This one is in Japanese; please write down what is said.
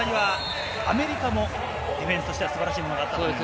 このあたりはアメリカもディフェンスとしては素晴らしいものがあったんです。